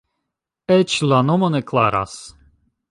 Eĉ la nomo ne klaras.